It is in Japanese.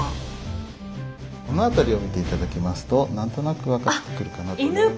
この辺りを見ていただきますと何となく分かってくるかなと。